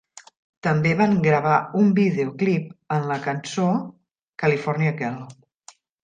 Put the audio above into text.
També van gravar un videoclip er la cançó "California Girl".